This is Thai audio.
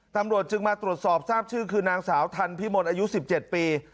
ตำรวจจึงมาตรวจสอบทราบชื่อคือนางสาวทันพิมลอายุ๑๗ปี